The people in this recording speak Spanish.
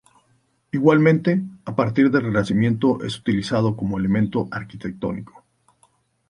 Igualmente, a partir del Renacimiento es utilizado como elemento arquitectónico.